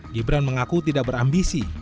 gibran mengaku tidak berambisi